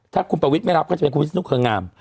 ถ้าคุณประวิทย์ไม่รับก็จะเป็นคุณวิศนุเครืองาม